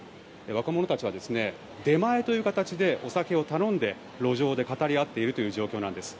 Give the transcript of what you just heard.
若者たちは出前という形でお酒を頼んで路上で語り合っているという状況なんです。